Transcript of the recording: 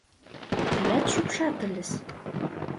Тыят шупшат ыльыс.